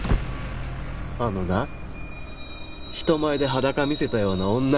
あのな人前で裸見せたような女